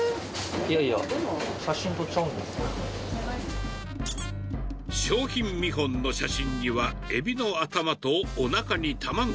いやいや、商品見本の写真には、エビの頭とおなかに卵。